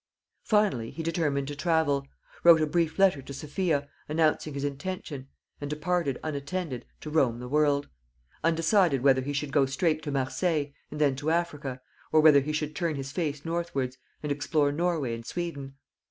Finally, he determined to travel; wrote a brief letter to Sophia, announcing his intention; and departed unattended, to roam the world; undecided whether he should go straight to Marseilles, and then to Africa, or whether he should turn his face northwards, and explore Norway and Sweden.